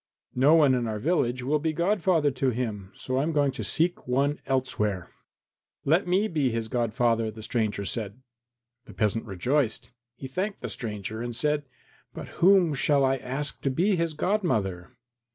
No one in our village will be godfather to him, so I am going to seek one elsewhere." "Let me be his godfather," the stranger said. The peasant rejoiced. He thanked the stranger and said, "But whom shall I ask to be his godmother?"